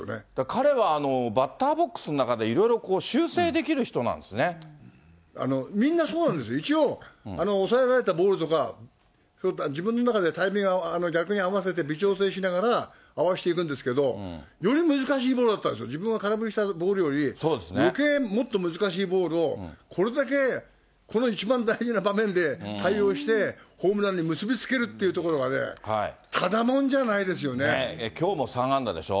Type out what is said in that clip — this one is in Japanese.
彼はバッターボックスの中で、みんなそうなんですよ、一応、抑えられたボールとか、自分の中でタイミング逆に合わせて微調整しながら合わせていくんですけど、より難しいボールだったんですよ、自分が空振りしたボールより、よけいもっと難しいボールをこれだけ、この一番大事な場面で対応して、ホームランに結び付けるっていうところがね、ただもんじゃないできょうも３安打でしょ。